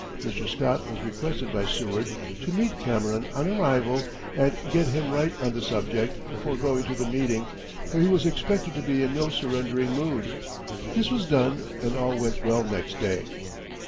Mr. Scott was requested by Seward to meet Cameron on arrival and get him right on the subject before going to the meeting, for he was expected to be in no surrendering mood. This was done and all went well next day.